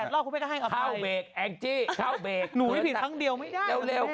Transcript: ๗๘รอกไม่ได้ให้กับใคร